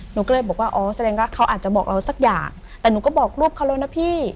หนูก็เลยบอกว่าอ๋อแสดงว่าเขาอาจจะบอกเราสักอย่างแต่หนูก็บอกรูปเขาแล้วนะพี่